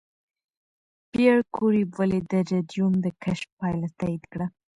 پېیر کوري ولې د راډیوم د کشف پایله تایید کړه؟